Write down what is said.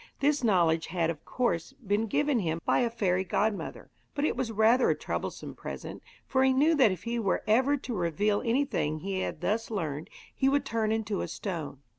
This knowledge had of course been given him by a fairy godmother; but it was rather a troublesome present, for he knew that if he were ever to reveal anything he had thus learned he would turn into a stone.